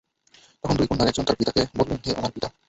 তখন দুই কন্যার একজন তাঁর পিতাকে বললেন, হে আমার পিতা!